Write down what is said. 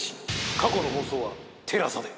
過去の放送はＴＥＬＡＳＡで。